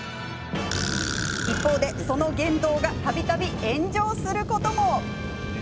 一方で、その言動がたびたび炎上することも。